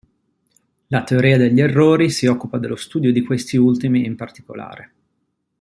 La teoria degli errori si occupa dello studio di questi ultimi in particolare.